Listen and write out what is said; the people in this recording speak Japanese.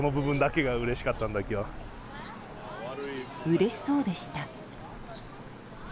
うれしそうでした。